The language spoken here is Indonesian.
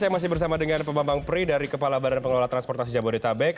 saya masih bersama dengan pak bambang pri dari kepala badan pengelola transportasi jabodetabek